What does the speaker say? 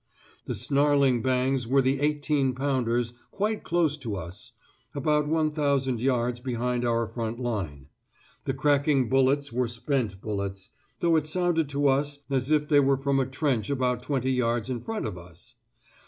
The snarling bangs were the 18 pounders quite close to us, about one thousand yards behind our front line; the cracking bullets were spent bullets, though it sounded to us as if they were from a trench about twenty yards in front of us!